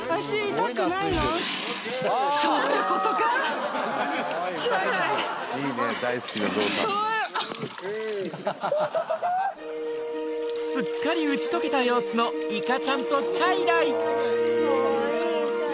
そういうことかすっかり打ち解けた様子のいかちゃんとチャイライ！